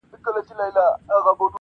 هر لحد يې افتخاردی -